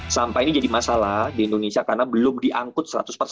sampah ini jadi masalah di indonesia karena belum diangkut seratus persen